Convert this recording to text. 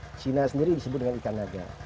jadi china sendiri disebut dengan ikan naga